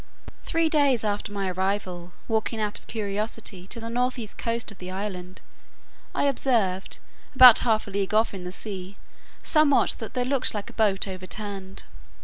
Three days after my arrival, walking out of curiosity to the north east coast of the island, I observed, about half a league off in the sea, somewhat that looked like a boat overturned.